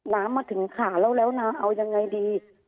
น้ำมาถึงขาแล้วนะเอายังไงดี